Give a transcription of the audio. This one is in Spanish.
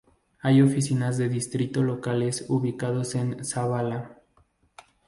Hay oficinas de distrito locales ubicados en Zavalla.